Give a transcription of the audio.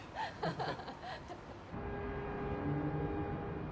ハハハハ。